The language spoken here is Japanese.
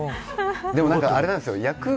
でも何か、あれなんですよ